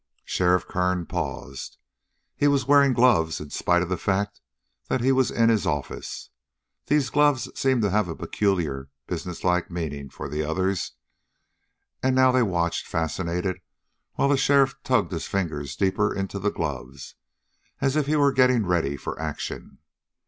Sheriff Kern paused. He was wearing gloves in spite of the fact that he was in his office. These gloves seem to have a peculiarly businesslike meaning for the others, and now they watched, fascinated, while the sheriff tugged his fingers deeper into the gloves, as if he were getting ready for action.